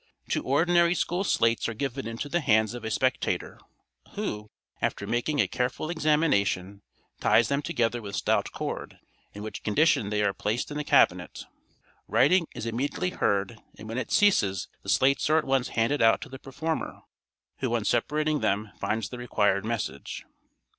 —Two ordinary school slates are given into the hands of a spectator, who, after making a careful examination, ties them together with stout cord, in which condition they are placed in the cabinet. Writing is immediately heard, and when it ceases the slates are at once handed out to the performer, who on separating them finds the required message.